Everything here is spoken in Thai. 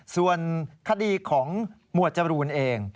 ส่วนคดีของหมวดจรูนเอง